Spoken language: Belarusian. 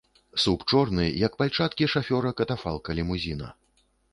Суп, чорны, як пальчаткі шафёра катафалка-лімузіна.